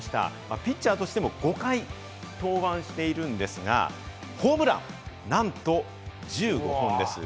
ピッチャーとしても５回登板しているんですが、ホームランなんと１５本です。